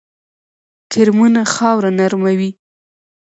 کرمونه خاوره نرموي